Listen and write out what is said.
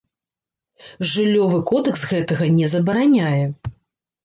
Жыллёвы кодэкс гэтага не забараняе.